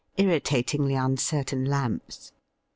Irritatingly uncertain lamps.